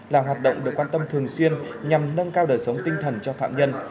là hoạt động được quan tâm thường xuyên nhằm nâng cao đời sống tinh thần cho phạm nhân